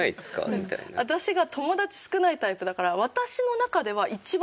私が友達少ないタイプだから。